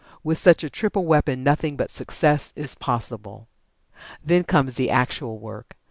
With such a triple weapon nothing but Success is possible. Then comes the actual work.